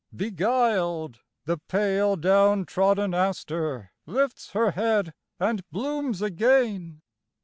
Beguiled, the pale down trodden aster lifts Her head and blooms again.